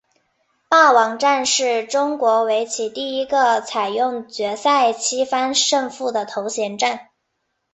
霸王战是中国围棋第一个采用决赛七番胜负的头衔战。